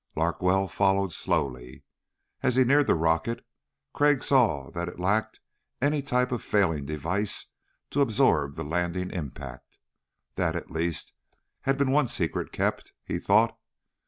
Larkwell followed slowly. As he neared the rocket Crag saw that it lacked any type of failing device to absorb the landing impact. That, at least, had been one secret kept, he thought.